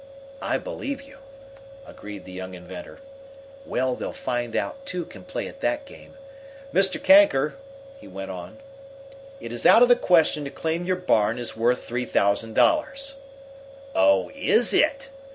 "I believe you," agreed the young inventor. "Well, they'll find that two can play at that game. Mr. Kanker," he went on, "it is out of the question to claim your barn is worth three thousand dollars." "Oh, is it?"